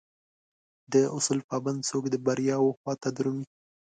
داصول پابند څوک دبریاوخواته درومي